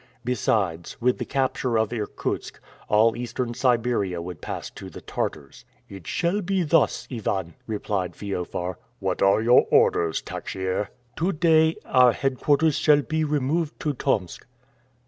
Besides, with the capture of Irkutsk, all Eastern Siberia would pass to the Tartars. "It shall be thus, Ivan," replied Feofar. "What are your orders, Takhsir?" "To day our headquarters shall be removed to Tomsk."